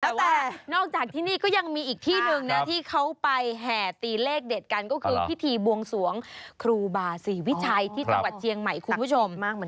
แล้วแต่นอกจากที่นี่ก็ยังมีอีกที่หนึ่งนะที่เขาไปแห่ตีเลขเด็ดกันก็คือพิธีบวงสวงครูบาศรีวิชัยที่จังหวัดเชียงใหม่คุณผู้ชม